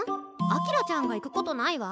明ちゃんが行くことないわ。